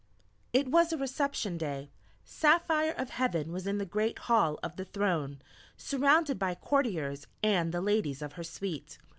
It was a reception day; Saphire of Heaven was in the great Hall of the Throne, surrounded by courtiers and the Ladies of her suite.